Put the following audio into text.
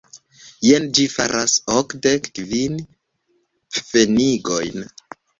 Jen, ĝi faras okdek kvin pfenigojn.